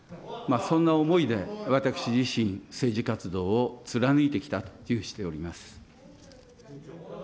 そんな思いで私自身、政治活動を貫いてきたと自負しております。